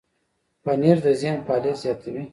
پنېر د ذهن فعالیت زیاتوي.